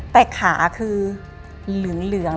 แต่ขาคือเหลือง